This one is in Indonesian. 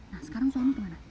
nah sekarang suami ke mana